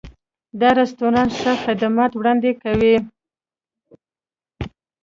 دا رستورانت ښه خدمات وړاندې کوي.